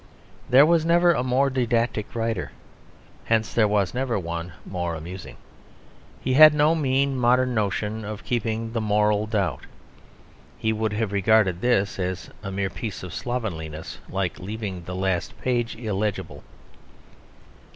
There was never a more didactic writer: hence there was never one more amusing. He had no mean modern notion of keeping the moral doubtful. He would have regarded this as a mere piece of slovenliness, like leaving the last page illegible.